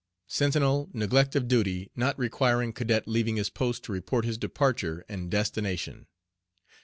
SAME. Sentinel, neglect of duty, not requiring cadet leaving his post to report his departure and destination.